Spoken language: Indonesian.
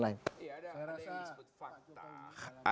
ada yang disebut fakta